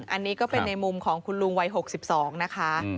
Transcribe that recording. อันนี้ก็เป็นในมุมของคุณลุงวัย๖๒นะคะ